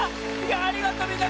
ありがとうみんな！